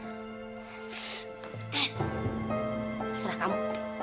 eh terserah kamu